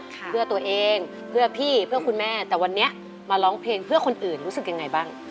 เพื่อตัวเองเพื่อพี่เพื่อคุณแม่แต่วันนี้มาร้องเพลงเพื่อคนอื่นรู้สึกยังไงบ้าง